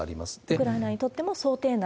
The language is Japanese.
ウクライナにとっても想定内？